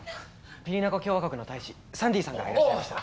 ピリナコ共和国の大使サンディーさんがいらっしゃいました。